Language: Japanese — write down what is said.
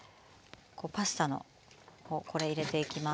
パスタのこれ入れていきます。